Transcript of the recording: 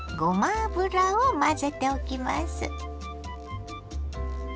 油を混ぜておきます。